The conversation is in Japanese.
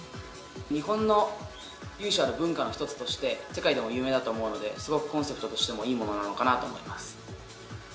日本の由緒ある文化の一つとして、世界でも有名だと思うので、すごくコンセプトとしてもいいものなのかなと思います。